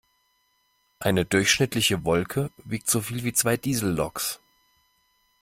Eine durchschnittliche Wolke wiegt so viel wie zwei Dieselloks.